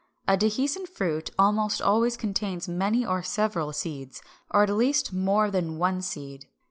A dehiscent fruit almost always contains many or several seeds, or at least more than one seed.